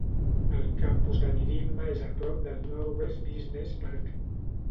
El campus de Nirimba és a prop del Norwest Business Park.